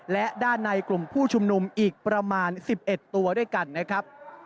และด้านในกลุ่มผู้ชุมนุมอีกประมาณ๑๑ตัวด้วยกันนะครับ